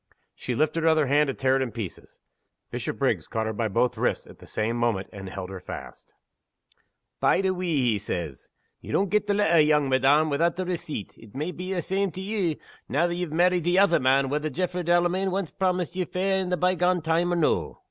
She lifted her other hand to tear it in pieces. Bishopriggs caught her by both wrists, at the same moment, and held her fast. "Bide a wee!" he said. "Ye don't get the letter, young madam, without the receipt. It may be a' the same to you, now ye've married the other man, whether Jaffray Delamayn ance promised ye fair in the by gone time, or no.